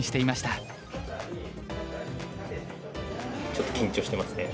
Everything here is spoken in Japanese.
ちょっと緊張してますね